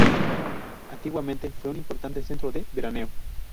Antiguamente fue un importante centro de veraneo.